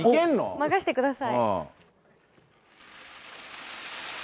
任せてください。